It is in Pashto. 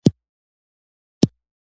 مستند فلمونه د نړۍ رښتینې بڼه ښيي.